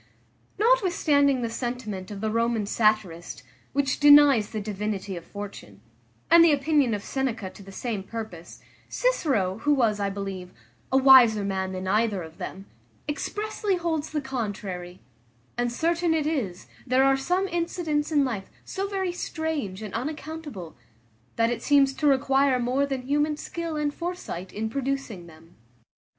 Notwithstanding the sentiment of the Roman satirist, which denies the divinity of fortune, and the opinion of Seneca to the same purpose; Cicero, who was, I believe, a wiser man than either of them, expressly holds the contrary; and certain it is, there are some incidents in life so very strange and unaccountable, that it seems to require more than human skill and foresight in producing them.